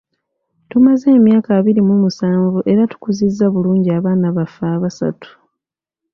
Tumaze emyaka abiri mu musanvu era tukuzizza bulungi abaana baffe abasatu .